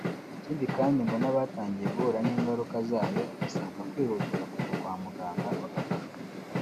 Ikindi kandi ngo n’abatangiye guhura n’ingaruka zayo basabwa kwihutira kujya kwa muganga bagafashwa